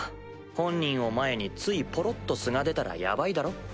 本人を前についポロっと素が出たらヤバいだろ？